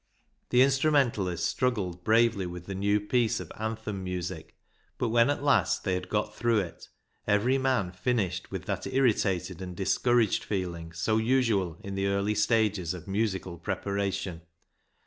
The instrumentalists struggled bravely with the new piece of anthem music, but when at last the}^ had got through it, every man finished with that irritated and discouraged feeling so usual in the earlier stages of musical preparation.